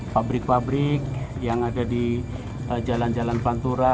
pabrik pabrik yang ada di jalan jalan pantura